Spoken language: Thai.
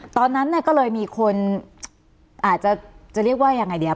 ตอนนั้นก็เลยมีคนอาจจะจะเรียกว่าอย่างไรเนี่ย